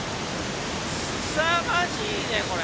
すさまじいねこれ。